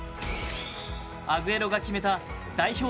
アグエロが決めた代表